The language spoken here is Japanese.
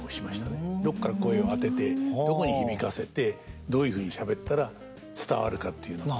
どっから声を当ててどこに響かせてどういうふうにしゃべったら伝わるかっていうのを。